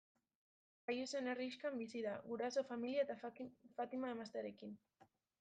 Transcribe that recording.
Jaio zen herrixkan bizi da, guraso, familia eta Fatima emaztearekin.